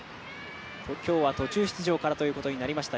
今日は途中出場からということになりました